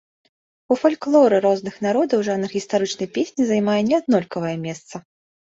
У фальклоры розных народаў жанр гістарычнай песні займае неаднолькавае месца.